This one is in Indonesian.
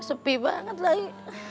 sepi banget lagi